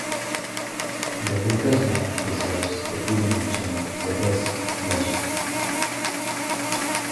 The baker's map preserves the two-dimensional Lebesgue measure.